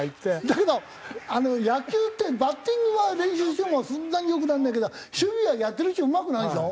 だけど野球ってバッティングは練習してもそんなに良くならないけど守備はやってるうちにうまくなるでしょ？